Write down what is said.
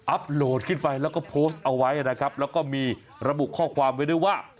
โหลดขึ้นไปแล้วก็โพสต์เอาไว้นะครับแล้วก็มีระบุข้อความไว้ด้วยว่า